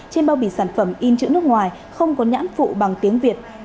trên bao bì sản phẩm in chữ nước ngoài không có nhãn phụ bằng tiếng việt